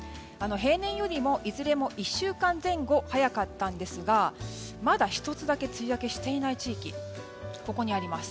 平年よりも、いずれも１週間前後早かったんですがまだ１つだけ梅雨明けしていない地域ここにあります。